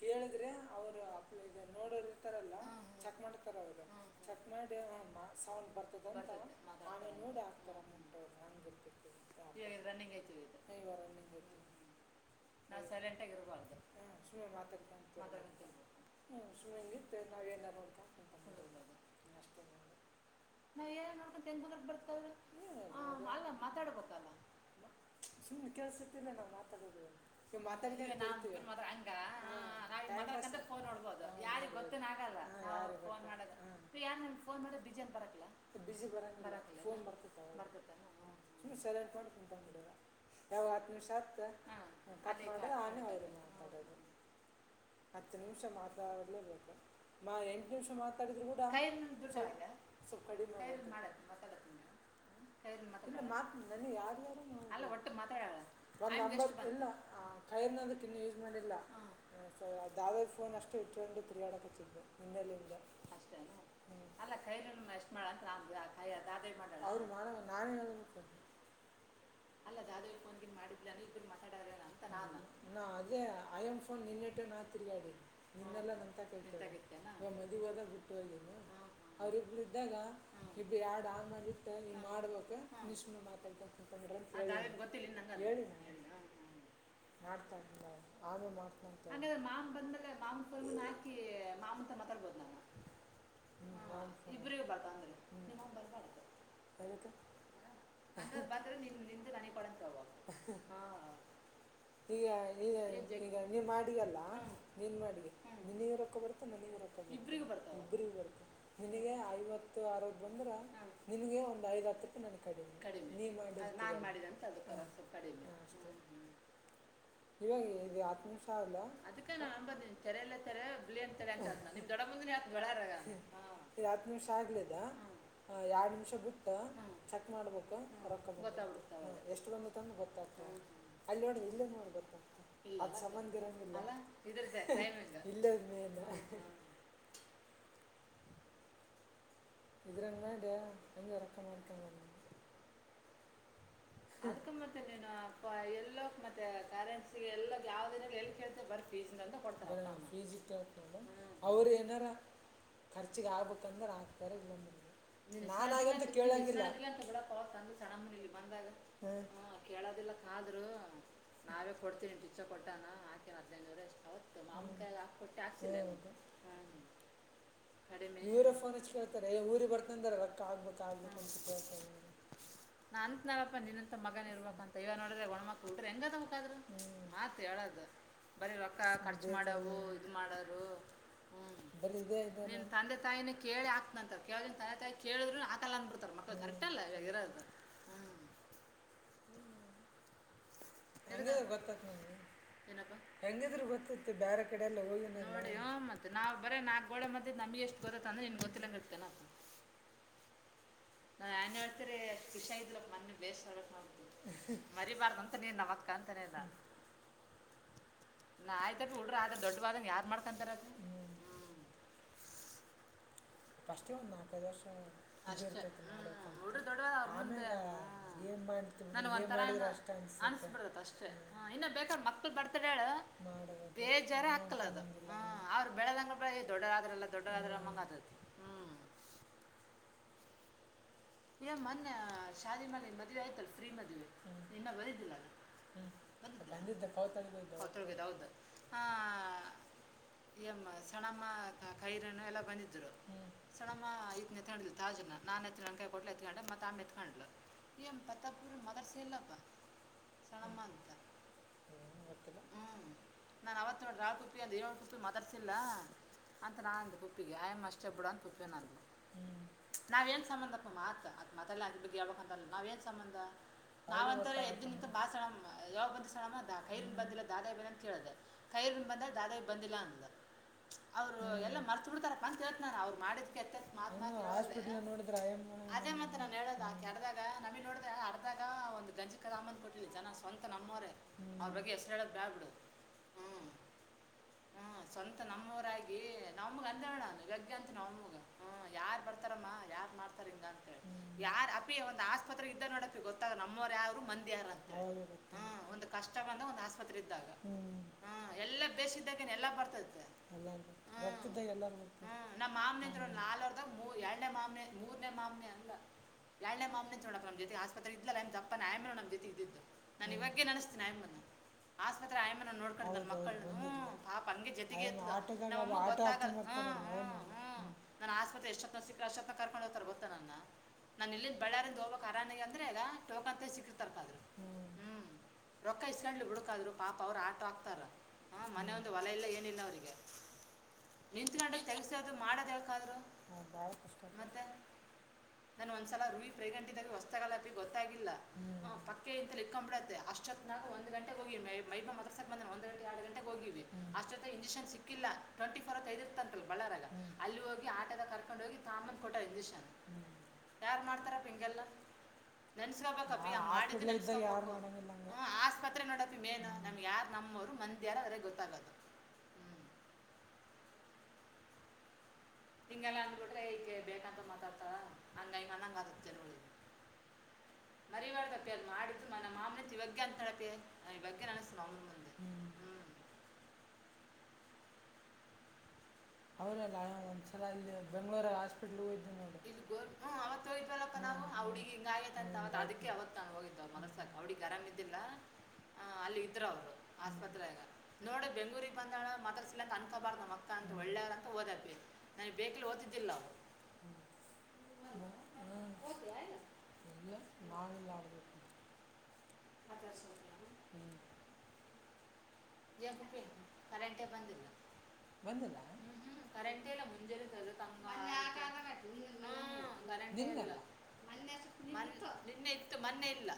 ಕೇಳಿದ್ರೆ ಅವರುಪ್ ಇದ ನೋಡ ಇರ್ತಾರಲ್ಲ ಚೆಕ್ ಮಾಡ್ತಾರ ಅವರು ಚಕ್ ಮಾಡಿ ಸೌಂಡ್ ಬರ್ತದಂತ ಆಮೇ ನೋಡಿ ಹಾಕ್ತಾರಂಟರು ಹಂಗರ್ಬೇಕ ಇವ ರನ್ನಿಂಗ್ ಸೈಲೆಂಟ್ ಆಗಿರಬಾರ್ದು ಸನೆತತ ಏಂಗ ಮದ ಬರ್ತ್ರ ಅಲ್ಲ ಮಾತಾಡ್ಬೇಕಲ್ಲ ಕೆಸ ನಾ್ ಮಾತಾ ೋನ್ ನೋಡ್ಬೋದು ಯಾರಿ ಗೊತ್ತೇನ್ ಆಗಲ್ಲ ಯನ್ಜರ ಹ ಕಟ್ ಮಾಡ ಆಾನ ಆ ನ ತ ಹತ್ತು ನಿಮಿಷ ಮಾತಾಡ್ಲೇು ಎಂಟ ನಿಮಿತಾಡ ಕ ಮಾತಾಡ ಒಟ್ಟು ಮಾತಾಡ ಹ ಕೈನ್ನೋದಕ್ಕ ಇನ್ನು ಯೂಸ್ ಮಾಡಿಲ್ಲ ದಾದೇ ಫೋನ್ ಅಷ್ಟು ಇಟ್ಕೊಂಡು ತಿಯಾಡಕ್ ಹಚ್ಚಿದ್ದೆ ನಿನ್ನಿಂದ ನಾನೇ ಹೇಳಬೇಕ ನಾ ಅದೇ ಐನ್ ಫೋನ್ ನಿನ್ನಟ್ಟ ದೋಗಬ್ಬರು ಇದ್ದಾಗ ಯಾರ್ ಆಂಗತ ಮಾಡ್ಬತಾ ಮಾಡ್ತಾ ಇದಿಲ್ಲ ಅವೂ ಮಾಡ್ತಾ ಹಂಗಾದ್ರೆ ಮಾಮ ಬಂದ್ಮೇಲೆ ಮಾಮ ಕೊಂಡ ಹಾಕಿ ಮಾಮಂತ ಮಾತಾಡ್ಬೋದು ನಾನು ಇಬ್ರಗ ಬರ್ತ ಅಂದ್ರೆ ನಿ ಮಾಮ ಬರ್ಬಾರತಂದ ಬಂದ್ರೆ ನಿನ್ ನಿ ನನಗ್ ಕೊಡಂತ ಹ ಈಗ ಈಗ ಈಗ ನೀ ಮಾಡಿ ನೀನ್ ಮಾಡಿ ನಿನಗ ರೊಕ್ಕ ಬರುತೆ ನನಗ ರೊಕ್ಕ ಬ ಇಬ್ರಗ ಬರುತ ನಿನಗೆ ಐವತ್ತು ಆರ ಬಂದ್ರ ನಿನಗೆ ಒಂದ್ ಐದ್ ಹತ್ತು ರೂಪಾಯಿ ನನ್ ಕಡಿಿನೆ ನೀ ಮಾಡ ಇವಾಗ ಇದು ಆತ್ ನಿಮಿಷ ಅಲ್ಲ ಅದ್ಕ ನಾ ತೆರೆಯಲ್ಲ ತೆರೆ ಬಿಳಿ ಅಂತ ಅಂತ ನಿಮ್ ದೊಡ ಬಂದ್ರತ್ ಬಾರ ಹತ್ ನಿಮಿಷ ಆಗ್ಲ ಎರಡ್ ನಿಮಿಷ ಬ ಚಕ್ ಮಾಡ್ಬ ಗೊತ್ತಬಿಡ್ ಎಷ್ಟ ಬಂದ್ರ ಗೊ ಅಲ್ಲಿ ನೋಡ ಇಲ್ಲೇ ನೋಡ್ ಗೊತ್ತಾಗ ಅದ ಸಮಂದಿರ ಅಲ ಇದ್ರೈ ಇದ್ರಂಗಾ ಇ ಅಜ ರಕ್ಕ ಮಾಡಡ್ತ ಅದಕ ಮೆ ನೀ ಎಲ್ಲ ಮತ್ತೆ ಕರೆನ್ಟ್ಸಿ ಎಲ್ಲ ಯಾವ ಎಲ್ಲಿ ಕೇಳ್ತ ಬಫೀ ಕೊರ್ ಆಡ ಸಣ ಬಂದಾಗ ಹ್ಮ ಹಾ ಕೇಳೋದಿಲ್ಲ ಕಾದ್ರು ನಾವೇ ಕೊಡ್ತೀನಂಟ ಇಚ ಕೊಟ್ಟಾನ ಹಾಕೇನ ಹದ್ನೈದುನೂರ ಅವತ್ತು ಮಾಮಕಾಯಿ ಹಾಕ್ ಕೊಟ್ಟು ಹಾಕ್ಸಿಲ್ಲೆ ಹ್ಮ ಕಡಿಮೆ ಇವರಪ್ಪ ಕೇಳ್ತಾರೆ ಊರಿಗೆ ಬರ್ತ ವರ್ಕ್ ಆಗ್ಬ ಪ್ಪ ನಿನ್ನಂತ ಮಗನ್ ಇರ್ಬಬೇಕಂತ ಈಗ ನೋಡ್ರೆ ಒಣ್ಮಕ್ಳ ಬಿಟ್ರೆ ಹೆಂಗದಬೇಕಾದ್ರರು ಮಾತ್ ಹೇಳದ ಬರೀ ರಕ್ಕ ಖರ್ಚು ಮಾಡವು ಇದು ಮಾಡರು ಹ್ಮ ನೀನ್ ತಂದೆ ತಾಯಿನ ಕೇಳಿ ಹಾತನಂತ ಕೇಳನ್ ತಂದೆ ತಾಯಿ ಕೇಳಿದ್ ಹಾಕಲ್ಲ ಅಂದ ಬಿಿಡ್ತಾರ ಮಕ್ಳು ಕರೆಕ್ ಅಲ್ಲ ಇವಾಗ ಇರೋದು ಹ್ಮ್ ಹೆಂಗ ಗೊ ನೋ ಮತ್ತೆ ನಾವ್ ಬರೇ ನಾ ಗೋಡೆ ಮದ್ದಿದ್ ನಮಗೆ ಎಷ್ಟು ಗೊತ್ತ ಅಂದ್ರೆ ನಿನ್ ಗೊತ್ತಿಲ್ಲಂಗಡ್ತನಪ್ಪ [unintelligible] ನಾ ಅನಿವರ್ಸರಿಷ್ಟ ಖುಷಿಾಗಿದಲಪ್ಪ ಮೊೆ ಬೇಸ್ ಆಡಕ್ ಮಾಡ್ತ ಮರಿಬಾರ್ದ ಅಂತ ನೀರ್ ನವಕ್ಕ ಅಂತನಲ್ಲ ನ ಆಯ್ತ ಹಡ್ರ ಆದ್ರ ದೊಡ್ಡವಾದಂಗ ಯಾರ್ು ಮಾಡ್ಕೊಂತಾರದು್ಮ ಹ್ಮ್ [unintelligible] ಒ ಅನ್ಸ್ಬಿಡ ಅಷ್ಟೇ ಇನ್ನು ಬೇಕಾದ ಮಕ್ಳ ಬರ್ತಾಡ ಬೇಜಾರ ಹಕ್ಕಲದ ಹ ಅವ್ರರು ಬೆಳದಂಗ ದೊಡ್ಡರಾದ್ರಲ್ಲ ದೊಡ್ಡರಾದ್ರಮ್ಮಂಗದತಿ [unintelligible] ಮೊೆ ಶಾದಿ ಮಾಲ ಮದ್ವೆ ಆಯ್ತಲ್ಲ ಫ್ರೀ ಮದ್ವೆ ಇನ್ನ ಬಂದಿದ್ದಿಲ್ಲೌದು ಆ ಮ್ಮ ಸಣಮ್ಮ ಕೈರ ಎಲ್ಲಾ ಬಂದಿದ್ರು ಹ ಸಣಮ್ಮ ಐತ್ನೆ ತಾಜನ ನಾನನ್ ಹತ್ತ [unintelligible] ಕೊಟ್ಲೆ ಎತ್ಕೊಂಡೆ ಮತ್ತ ಆಮ ಎತ್ಕೊಂಡ್ಳ ಏ ಬತ್ತಪು ಮದರ್ಸಲ್ಲಪ್ಪ ಸಣಮ್ಮ ಅಂತ ಹ ನಾನ ಅವತ್ ನೋಡ ಕುುಪ್ಪಿ ಅಂದ ಏಳ ಕುುಪ್ಪಿ ಮದರ್ಸಿಲ್ಲ ಅಂತ ನಾನಂದ ಪುಪ್ಪಿಗೆ ಆ ಅಷ್ಟೇ ಬಿಡ ಅಂತ ಪುಪ್ಪಿಬ ನಾವ ಏನ್ ಸಂಬಂಧ ಮಾತ್ ಅ ಮಾತಲ್ಲ ಅ ಬಗ್ ಹೇಳ್ಬ ಅಂತಲ್ಲ ನಾವ್ ಏನ್ ಸಂಬಂಂದ ನಾವ್ ಅಂತ ಎದ್ದಿನಂತ ಮಾ ಸಡಮ್ಮ ಯಾವ ಬಂದ್ ಸಡಮ ದ ಕೈರಿನ್ ಬಂದಿಲ್ಲ ದಾದಾಿ ಬಂದಿ ಅಂತ ಕೇಳ್ದ ಕೈರಿ ಬಂದ ದಾದಾವಿ ಬಂದಿಲ್ಲ ಅಂದ ಅವ್ರು ಎಲ್ಲಾ ಮರ್ಚ್ ಬಿಡ್ತಾರಪ್ಪ ಅಂತ ಹೇಳ್ತನಾನ ಅವ್ರು ಮಾಡಿದಕ್ಕೆತ್ತ ಅದೇ ಮತ್ತ ನಾನ ಹೇಳದ ಆಕೆ ಅರ್ದಾಗ ನಮ ನೋಡ್ದ ಅರ್ದಾಗ ಒಂದ್ ಗಂಜಿ ಕದಾಮನ್ ಕೊಟ್ಟಲಿ ಜನ ಸ್ವಂತ ನಮ್ಮವರ ಅವ್ರ ಬಗ್ಗೆ ಹೆಸರು ಹೇಳದ್ ಬ್ಯಾಳ್ ಬಿಿಡು ಹ್ಮ್ ಹ್ಮ್ ಸ್ವಂತ ನಮ್ಮವರಗ ನಮ್ಮಗ ಅಂದ ಹೇಳಣ ಇವಗ್ಗೆ ಅಂತ ನಮ್ಮಗ ಹ್ಮ್ ಯಾರ್ ಬರ್ತಾರಮ್ಮ ಯಾರ್ ಮಾಡ್ತಾರ [unintelligible] ಅಂತಿ ಯಾರ ಅಪಿ ಒಂದ್ ಆಸ್ಪತ್ರೆಗೆ ಇದ್ದ ನೋಡಪ ಗೊತ್ತಾಗ ನಮ್ಮರ್ ಯರು ಮಂದಿ ಯಾರ ಅಂತ ಹ ಒಂದ್ ಕಷ್ಟ ಬಂದಾಗ ಒಂದ ಆಸ್ಪತ್ರೆ ಇದ್ದಾಗ ಹ್ಮ ಎಲ್ಲಾ ಬೇಸ ಇದ್ದಾಗ ಎಲ್ಲಾ ಬರ್ತತೆ ಹ ನಮ್ಮ್ ಮಾಮನ ಇದ್ರ ನಾಲ್ವರ್ದಾಗ ಮೂ ಎರನೇ ಮಾಮನ [unintelligible] ಮೂರನೇ ಮಾಮನ ಅಂದ ಎಏಳನೇ ಮಾಮನ ನೋಡಪ್ಪ ನಮಮ್ಮ ಜೊತೆಗೆ ಆಸ್ಪತ್ರೆ ಇದ್ದಲ್ಲಪ್ಪ ಆಯನ ನಮ್ ಜೊತೆ ಇದಿದ್ದು ನಾನ ಇವಗೆ ನನಸ್ತಿನಿ ಆಯಮ್ಮನ ಆಸ್ಪತ್ರೆ ಆಯನ ನೋಡ್ಕೊಂಡ್ ನ ಮಕ್ಕಳನು ಹ ಪಾಪ ಹಂಗೆ ಜತೆಗೆ ಎದ್ದ ನಮ್ಮಮ್ಮ ಗೊತ್ತ ಹ್ ನನ್ ಆಸ್ಪತ್ರೆ ಎಷ್ಟ ಹತ್ನ ಸಿಕ್ಕ ಅಷ್ಟ [unintelligible] ನ ಇಲ್ಲಿ ಬೆಳಾರಿಂದ ಹೋಗಕ್ ಆರಾನೆ ಅಂದ್ರೆ ಈಗ ಚೋಕ ಅಂತ ಸಿಕ್ಕತರ್ಕ್ಮ ರೊಕ್ಕ ಎಣಲಿ ಬಿಡತಾದ್ರು ಪಾಪ ಅವರು ಆಟ ಆಗ್ತಾರ ಮನ ಒಂದು ಹೊಲ ಎಲ್ಲ ಇಲ್ಲಿನ ಅವ್ರಿಗೆ ಇಂತ ಮಾಡಿ ಕೆಳ್ಸದರು ಮಾಡದಂದ್ರರು ಬ ಕಷ್ಟ [unintelligible] ಮತ್ತು [unintelligible] ನಾನ ಒಂದ್ಸಲ ರುವಿಿ ಪ್ರಗ್ನೆಂಟ್ ಇದ್ದಾಗ ಹೊಸತಾಗಲಾಪಿ ಗೊತ್ತಾಗಿಲ್ಲ ಹ ಪಕ್ಕೇ ಇಂತಲ್ಲಿ ಇಕ್ಕಕೊಂಡ್ ಬಿಿಡತ್ತೆ ಅಷ್ಟೊತ್ ನಾಗು ಒಂದ್ಂಟೆ ಹೋಗಿವಿ ಮೈ ಮತ್ರಸಕ್ ಬಂದ ಒಂದ ಗಂಟೆ ಎರಡು ಗಂಟೆಗೆಗ್ ಹೋಗಿವಿ ಅಷ್ಟೊತ್ತ ಇಂಜೆಕ್ಷನ್ ಸಿಕ್ಕಿಲ್ಲ ಟ್ವೆಂಟಿ ಫೋರ್ ಅವರ್ದ ಇರ್ತಂಲ್ ಬಳ್ಳಾರಾಗ ಅಲ್ಲಿ ಹೋಗಿ ಆಟದ ಕರ್ಕೊಂಡ ಹೋಗಿ ತ [unintelligible] ಊಟ ಇಂಜೆಕ್ಷನ್ ಹ್ಮ ಯಾರ್ ಮಾಡ್ತಾರ ಹಂಗೆ ಆಸ್ರೆ ನ ಯಾರ ನಮ್ಮರು ಮಂದಿಾರ ಗೊತ್ತಾಗತ್ತ ಹ್ಮ [unintelligible] ಹಿಂಗೆಲ್ಲಾ ಅಂದ್ಬಿಟ್ರೆ ಕ ಬೇಕಂತ ಮಾತಾಡ್ತಾರ ಹಂಗ ಹಿಂಗ ಅನ್ನಂಗ ಆತ್ ಜನಗಳ ಮರಿಬಾರ್ದಪ್ಪಿ ಅದ್ ಮಾಡಿದು ಮನ ಮಾಮನತ್ ಇವಾಗಗೆ ಅಂತ ಹೇಳಪಿ ಇವಗ್ಗೆ ಅನಸ್ತ ನ ಅಮನ ಮುಂದೆ ಹ್ಮ್ [unintelligible] ದಲ ಬೆಳೂರಸ್ಲ್ ಅವಿಗೆರ ಇದಿಲ್ಲ ಅಲ್ಲಿ ಇದ್ ಅವರು ಆಸ್ಪರೆಾಗ ನೋಡ ಬೆಂಗಳೂ ಬಂದಳ ಮ ಕನಕ ಬಾರ ಮತ [unintelligible] ಒಳ್ಳೇ ಅಂತ ಓದತ್ವಿ ನನಗ್ ಬೇಕಲಿ ಓದತಿದ್ದಿಲ್ಲ ಅದ ಸ ಕರೆಂಟೇ ಬಂದಿಲ್ಲ್ಮ ಕರೆಂಟ ಇಲ್ಲ ಮುಂಜಾನಂಗ ಹ್ಮ ನಿನ್ನೆ ಇತ್ತು ಮೊನ್ನೆ ಇಲ್ಲ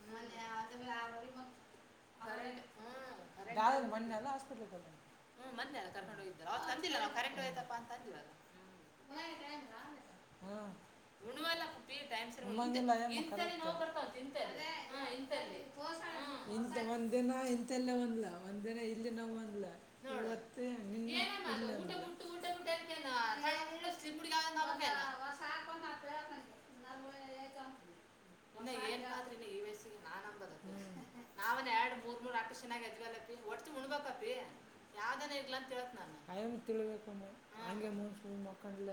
ಹ್ಮ ಮಸ್ಪ ಒಂದಿನ ಇಲ್ಲ ಮೂ ಬೇಕ ಯಾವ ತಿಬೇಕಮ್ಮ ಹಂಗಲೆ ಮನ್ಸ ಮಕ್ಕಂಡ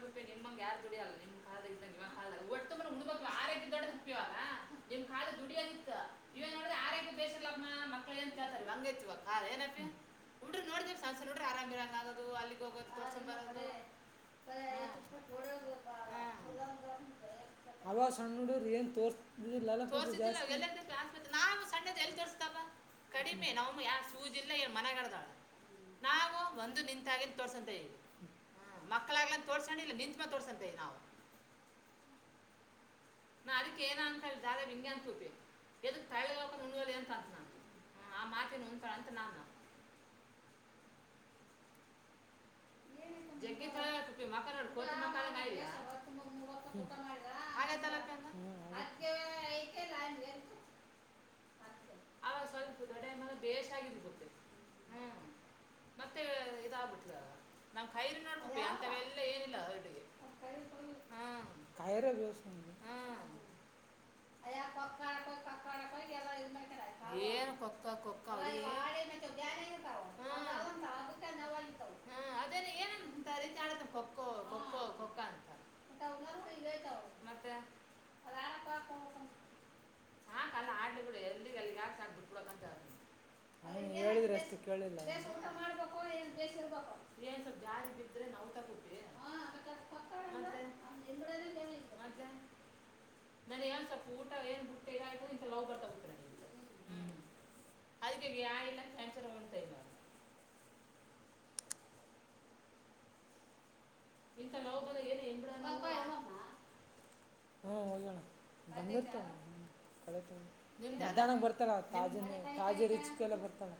ದು ದಡ್ ನಿಮಂಗ ಯಾರು ದುಡಿಯ ಅಲ್ಲ ನಿಮ್ ಕಾಲದಾಗ ಕಲ್ದಾಗ ಒಟ್ಟ ಹುಬ ಆ ರೈತಿ ದೊಡ್ಡ ಪ್ಪಿವವಾಗ ನಿಮ್ ಕಾಲ ದುಡಿಯನ ಇವನ್ ನೋಡ್ರ ಆ ರೈತಿ ಬಸಮ್ಮ ಮಕ್ಳ ಏನ್ ಕೇಳ್ತಾರೆ ಹಂಗ ಇತ್ತವ ಹಾ ಏನಕ್ಕೆ ಡ್ರ ನೋಡಣ್ಣ ಸ್ಣ ನೋಡ್ರಿ ಆರಾಮ್ ಇರ ಆಗೋದು ಅಲ್ಲಿ ಹೋಗ ತೋರ್ಸ್ ಬರದುಣ್ಣ ನಾವ ಸಣ್ಣದ ತೋತ ಕಡಿೆ ನ ಜಿಲ್ಲ ಏ ಮನೆಗರದ ನಾವು ಒಂದು ನಿಂತಾಗಿನ್ ತೋರ್ಸಂತ ಇದವಿ ಮಕ್ಕಳಾಗ್ಲನ್ ತೋರ್ಸಣ ಇಲ್ಲ ನಿಂತ ಮ ತೋರ್ಸಂತ ಇದವಿ ನಾವು ನಾ ಅದಕ್ಕೆ ಏನ ಅಂತಿ ದಾರೆ ವಿನ್ಯ ಅನ್ ಕೊೂತವಿ ಎದಕ್ ತಳ್ಳಿಕೊಂಡ ನಲ್ಲ ಅಂತ ಅಂತ ನಾನು ಆ ಮಾತಿನ ನಂತ ಅಂತ ನಾನ ಜಗ್ಗ ಮೋಲ ಅವಾಗ ಸ್ವಲ್ಪ ದಡ ಬೇಷ್ ಆಗಿದ ಗತ್ತ ಹ್ಮ ಮತ್ತೆ ಇದಾಗಬಟ್ ನಾ್ ಕೈರಿ ನೋಡ್ ಅಂತವೆಲ್ಲ ಏನಿಲ್ಲ ಅವಿಗೆ ಏನು ಕೊಕ್ಕ ಕೊಕ್ಕ [inaudible] ಏನ್ ಸ್ವಲ್ಪ್ ಜಾರಿ ಬಿತ್ ನಾವುಟಟವಿ ಮತ್ತ ನನ್ ನ್ ಸ್ವಲ್ಪ ಊಟ ಏನ್ ಬುಟ್ಟಗ ಆಯ್ತು ಇ ಲವ್ ಬರ್ತಾಟ್ಟಿ ಅದಕ್ಕೆ ಯಾ ಇಲ್ಲಂತ ಸಂಂಚರ ಹೊಂತ ಇಲ್ಲ ಹ್ಮ ಹೋಗೋಣ ಬನ್ನರ್ತ್ಮ ಮಧ್ಯಾಹ್ನ ಬರ್ತಳ ತಾಜ ತಾಜೆ ರುಚಿಗೆಲ್ಲ ಬರ್ತಾಳ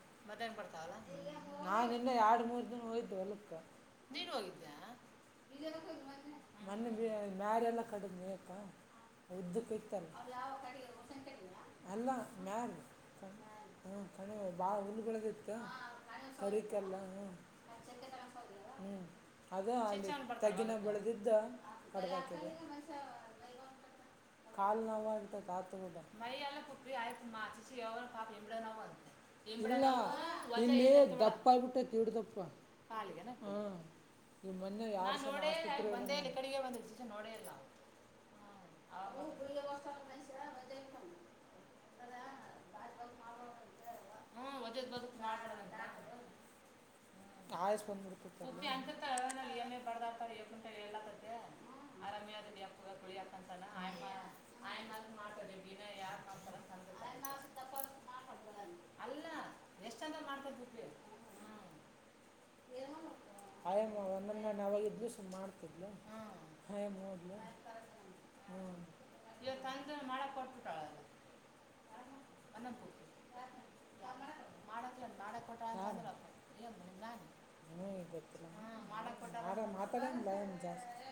ನಾ ನಿನ್ನೆ ಎರಡ್ ಮೂರ್ ದಿನ ಹೋಯ್ದು ಹೊಲ್ಕ್ಕ ಮೊ ಮ್ಯಾರ ಎಲ್ಲ ಕಡಿದ್ವಕ್ಕ ಉದ್ದಕ್ಕ ಇತ್ತಲ್ಲ ಅಲ್ಲ ಮ್ಯಾರಿ ಬಾಳ ಹುಲ್ಗದ ಇತ್ತು ಕರಿಕಲ್ಲ ಹ್ಮ ಹ್ಮ ಅದ ತೆಗಿನ ಬೆಳೆದಿದ್ದ ಕಡ ಆ್ತದೆ ಕಾಲ್ ನತ ಇಲ್ಲ ದಪ್ಪ ಆಬಿಟ್ಟಪ್ಪ ಹ ಮ [inaudible] ಹ್ಮ ಒಜದ ಬದುಕ್ ಮಾಡ್ಬಡಣಾಯ್ ಕುಿ ಅಂತ ಬಡದತ ಎಪ್ಪುಂಟ ಎಲ್ಲಾಕತಿ ಆರಾಮಿ ಆಗಲಿ ಎಪ್ಪ ಕುಳಿಕಂತಲ್ಲ ಆಯ ಆಯಲ್ ಮಾಡ್ತದೆ ಬಿನ ಯಾರ್ ಮಾಡ್ತಾರ ಅಲ್ಲ ಎಷ್ಟಾದ ಮಾಡ್ತವಿ ನವು ದಿವಸ ಮಾಡ್ತಿದ್ಲ ಾಯದ ಹಾ ಮಾಡಕ್ ಮಾಡಕ್ ಕೊಟ ಏ ನಿ ನಾರ ಮಾತಾಡನ್ ಭಯನ್ ಜಾಸ್ತಿ